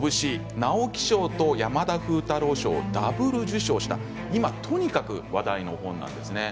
直木賞と山田風太郎賞をダブル受賞した今とにかく話題の本です。